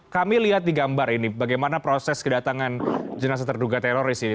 kami lihat di gambar ini bagaimana proses kedatangan jenazah terduga teroris ini